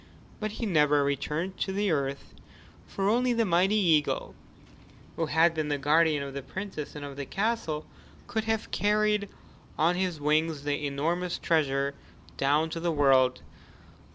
But he never returned to the earth, for only the mighty eagle, who had been the guardian of the Princess and of the castle, could have carried on his wings the enormous treasure down to the world.